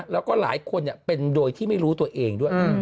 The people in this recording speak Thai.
แล้วก็หลายคนเป็นโดยที่ไม่รู้ตัวเองด้วย